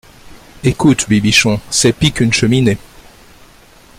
Ecoute, Bibichon, c'est pis qu'une cheminée !